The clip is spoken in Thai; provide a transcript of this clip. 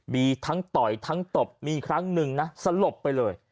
มีทั้งต่อยทั้งตบมีครั้งหนึ่งนะสลบไปเลย